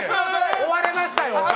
終われましたよ。